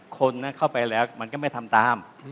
คนเข้าไปแล้วมันก็ไม่ทำตาม